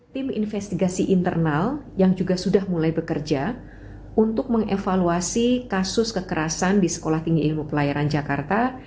tim investigasi internal yang juga sudah mulai bekerja untuk mengevaluasi kasus kekerasan di sekolah tinggi ilmu pelayaran jakarta